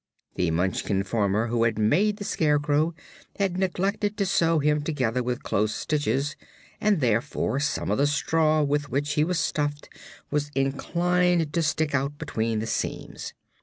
The Munchkin farmer who had made the Scarecrow had neglected to sew him together with close stitches and therefore some of the straw with which he was stuffed was inclined to stick out between the seams.